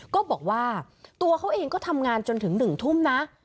ก็บอกว่าตัวเขาเองก็ทำงานจนถึง๑ทุ่มนะ